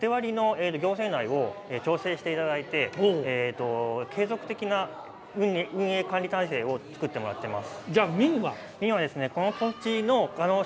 公は縦割りの行政内を調整していただいて継続的な運営管理体制を作ってもらっています。